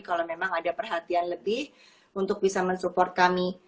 kalau memang ada perhatian lebih untuk bisa mensupport kami